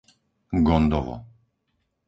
Gondovo